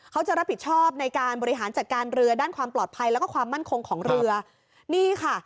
เขาจะรับผิดชอบในการบริหารจัดการเรือด้านความปลอดภัยแล้วก็ความมั่นคงของเรือนี่ค่ะ